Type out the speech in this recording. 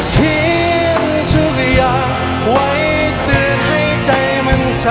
เหี้ยงทุกอย่างไว้เตือนให้ใจมันจำ